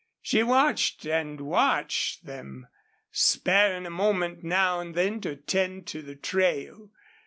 She watched and watched them, sparing a moment now and then to attend to the trail.